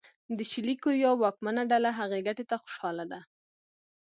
د شلي کوریا واکمنه ډله هغې ګټې ته خوشاله ده.